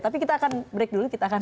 tapi kita akan break dulu kita akan